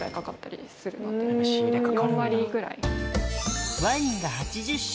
４割ぐらい。